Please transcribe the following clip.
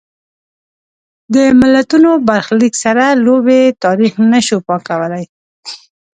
د ملتونو برخلیک سره لوبې تاریخ نه شو پاکولای.